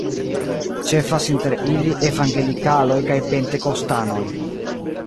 Ĉefas inter ili evangelikaloj kaj pentekostanoj.